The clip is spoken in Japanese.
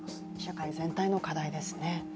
社会全体の課題ですね。